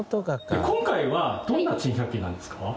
今回はどんな珍百景なんですか？